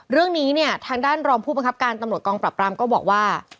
เรื่องนี้ทางด้านรองผู้ประคับการตำรวจกลางปรับกรรมก็บอกว่า